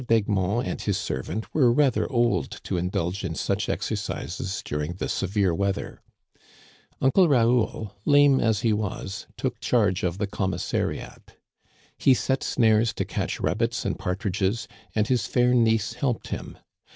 d'Egmont and his servant were rather old to indulge in such exercises during the severe weather. Uncle Raoul, lame as he was, took charge of the com Digitized by VjOOQIC 214 THE CANADIANS OF OLD. * missariat. He set snares to catch rabbits and partridges, and his fair niece helped him.